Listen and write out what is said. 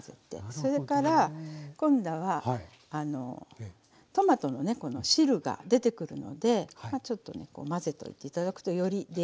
それから今度はトマトのこの汁が出てくるのでちょっとね混ぜて頂くとより出やすくなります。